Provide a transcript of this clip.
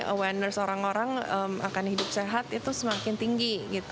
awareness orang orang akan hidup sehat itu semakin tinggi